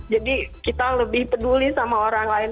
jadi kita lebih peduli sama orang lain